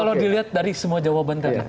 kalau dilihat dari semua jawaban tadi